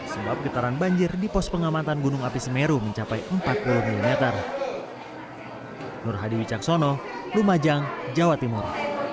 sebab getaran banjir di pos pengamatan gunung api semeru mencapai empat puluh milimeter nur hadi wicaksono lumajang jawa timur